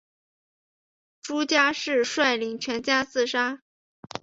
朱家仕率领全家自杀。